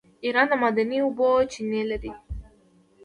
ایران د معدني اوبو چینې لري.